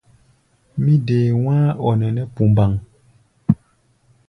Mí dee wá̧á̧-ɔ-nɛnɛ́ pumbaŋ.